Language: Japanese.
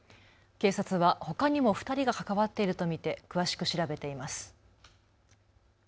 警察はほかにも２人が関わっていると見て詳しく調べています。